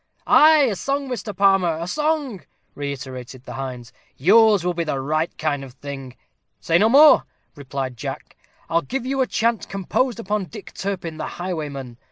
"Ay, a song, Mr. Palmer, a song!" reiterated the hinds. "Yours will be the right kind of thing." "Say no more," replied Jack. "I'll give you a chant composed upon Dick Turpin, the highwayman.